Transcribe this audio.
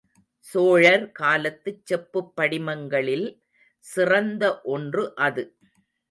சோழர் காலத்துச் செப்புப் படிமங்களில் சிறந்த ஒன்று அது.